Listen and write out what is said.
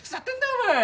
お前。